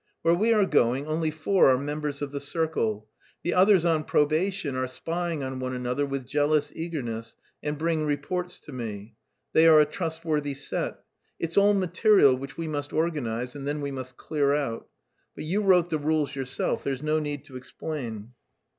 "Where we are going only four are members of the circle. The others on probation are spying on one another with jealous eagerness, and bring reports to me. They are a trustworthy set. It's all material which we must organise, and then we must clear out. But you wrote the rules yourself, there's no need to explain."